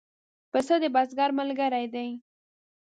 پسه د بزګر ملګری دی.